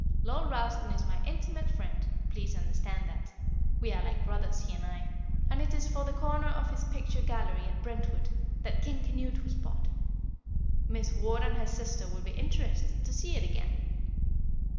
Lord Ralston is my intimate friend, please understand that. We are like brothers, he and I, and it is for the corner of his picture gallery, at Brentwood, that King Canute was bought; Miss Ward and her sister will be interested to see it again.